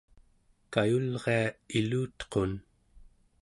kayulria ilutequn